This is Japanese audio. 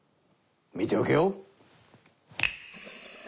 見ておけよ！